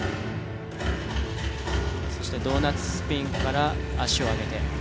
そしてドーナツスピンから足を上げて。